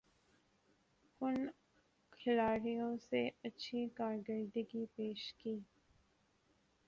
کن کھلاڑیوں نے اچھی کارکردگی پیش کی